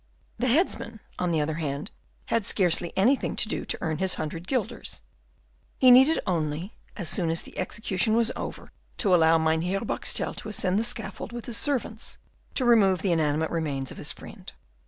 The headsman, on the other hand, had scarcely anything to do to earn his hundred guilders. He needed only, as soon as the execution was over, to allow Mynheer Boxtel to ascend the scaffold with his servants, to remove the inanimate remains of his friend.